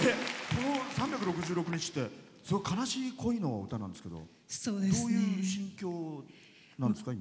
「３６６日」ってすごい悲しい恋の歌なんですけどどういう心境なんですか？